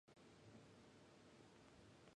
天気が良い日は公園に行って日向ぼっこしたいね。